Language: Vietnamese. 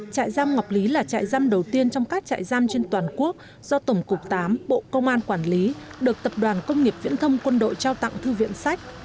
trại giam ngọc lý là trại giam đầu tiên trong các trại giam trên toàn quốc do tổng cục tám bộ công an quản lý được tập đoàn công nghiệp viễn thông quân đội trao tặng thư viện sách